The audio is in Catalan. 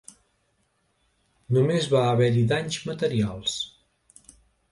Només va haver-hi danys materials.